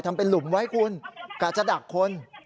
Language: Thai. ทำเป็นหลุมไว้คุณกะจะดักคน